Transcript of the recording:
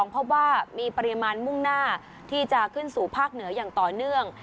พบว่ามีปริมาณมุ่งหน้าที่จะขึ้นสู่ภาคเหนืออย่างต่อเนื่อง